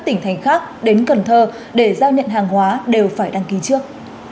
tỉnh thành khác đến cần thơ để giao nhận hàng hóa đều phải đăng ký trước